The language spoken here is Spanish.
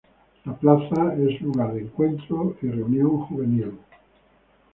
La plaza es lugar de encuentro y reunión juvenil.